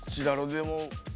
でも。